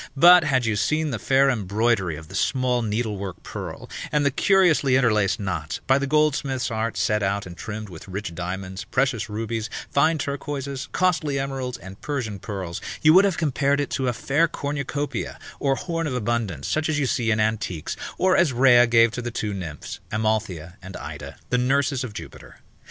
But had you seen the fair embroidery of the small needlework purl, and the curiously interlaced knots, by the goldsmith's art set out and trimmed with rich diamonds, precious rubies, fine turquoises, costly emeralds, and Persian pearls, you would have compared it to a fair cornucopia, or horn of abundance, such as you see in antiques, or as Rhea gave to the two nymphs, Amalthea and Ida, the nurses of Jupiter.